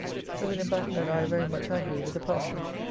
Sir Wm. Batten and I very much angry with the parson.